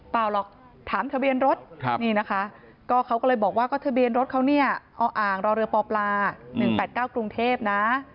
หรอกถามทะเบียนรถนี่นะคะก็เขาก็เลยบอกว่าก็ทะเบียนรถเขาเนี่ยออ่างรอเรือปป๑๘๙กรุงเทพนะ